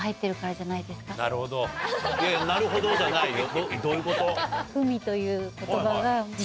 いや「なるほど」じゃないよ。